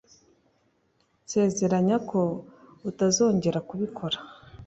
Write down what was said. Nsezeranya ko utazongera kubikora.